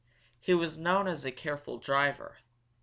He was known as a careful driver.